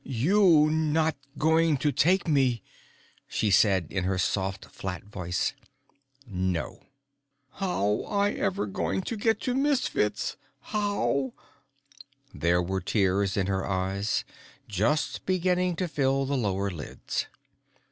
"You not going to take me," she said, in her soft, flat voice. "No." "How I ever going to get to Misfits? How?" There were tears in her eyes, just beginning to fill the lower lids.